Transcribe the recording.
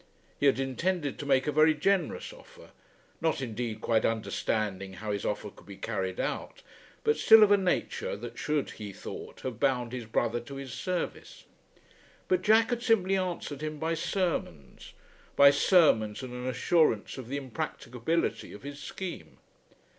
He had intended to make a very generous offer, not indeed quite understanding how his offer could be carried out, but still of a nature that should, he thought, have bound his brother to his service. But Jack had simply answered him by sermons; by sermons and an assurance of the impracticability of his scheme.